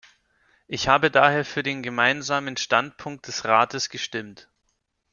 Ich habe daher für den Gemeinsamen Standpunkt des Rates gestimmt.